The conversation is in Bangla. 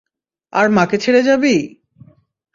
আর মাকে ছেড়ে যাবি?